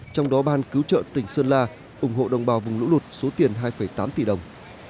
trong đó ban cứu trợ tỉnh sơn la ủng hộ đồng bào vùng lũ lụt số tiền hai tám tỷ đồng